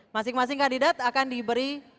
masing masing kandidat akan diberi